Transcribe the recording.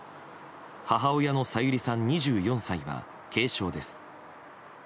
母親の小百合さん、２４歳が軽傷です。